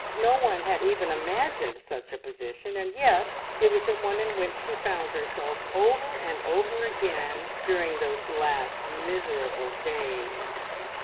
No one had even imagined such a position, and yet it was the one in which she found herself over and over again during those last miserable days.